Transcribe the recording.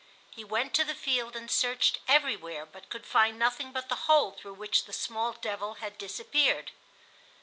He went to the field and searched everywhere, but could find nothing but the hole through which the small devil had disappeared.